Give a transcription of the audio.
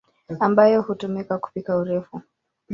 ambayo hutumika kupika urefu.